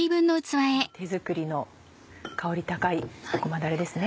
手作りの香り高いごまだれですね。